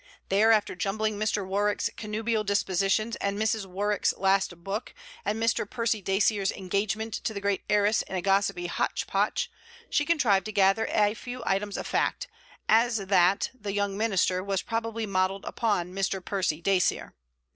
There, after jumbling Mr. Warwick's connubial dispositions and Mrs. Warwick's last book, and Mr. Percy Dacier's engagement to the great heiress in a gossipy hotch potch, she contrived to gather a few items of fact, as that THE YOUNG MINISTER was probably modelled upon Mr. Percy Dacier.